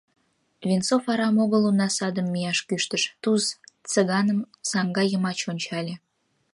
Венцов арам огыл уна садым мияш кӱштыш, — Туз Цыганым саҥга йымач ончале.